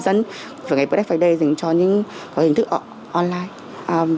dân và ngày black friday dành cho những hình thức online